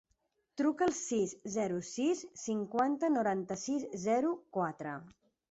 Truca al sis, zero, sis, cinquanta, noranta-sis, zero, quatre.